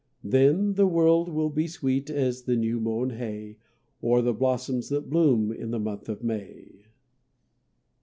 Then the world will be sweet as the new mown hay, Or the blossoms that bloom in the month of May.